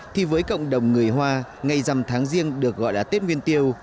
thì với cộng đồng người hoa ngày dằm tháng riêng được gọi là tết nguyên tiêu